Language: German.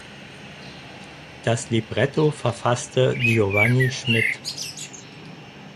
Das Libretto verfasste Giovanni Schmidt.